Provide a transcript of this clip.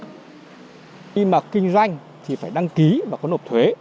khi mà kinh doanh thì phải đăng ký và có nộp thuế